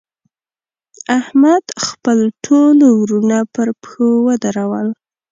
احمد؛ خپل ټول وروڼه پر پښو ودرول.